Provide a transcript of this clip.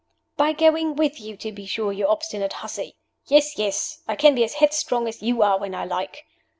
"By going with you, to be sure, you obstinate hussy! Yes, yes I can be as headstrong as you are when I like.